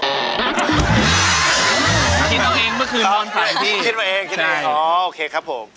คิดว่าเองเมื่อคืนตอนไฟ